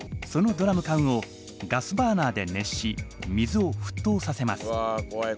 そのドラム缶をガスバーナーで熱し水をふっとうさせます。